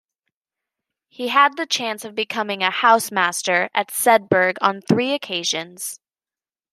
He had the chance of becoming a housemaster at Sedbergh on three occasions.